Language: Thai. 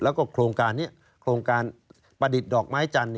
แล้วก็โครงการนี้โครงการประดิษฐ์ดอกไม้จันทร์